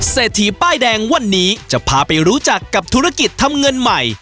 เศรษฐีป้ายแดงวันนี้จะพาไปรู้จักกับธุรกิจทำเงินใหม่